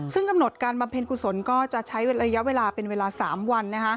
ซึ่งกำหนดการบำเพ็ญกุศลก็จะใช้ระยะเวลาเป็นเวลา๓วัน